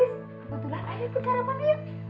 kebetulan aku sarapan ya